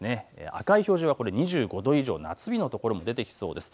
赤い表示は２５度以上、夏日の所も出てきそうです。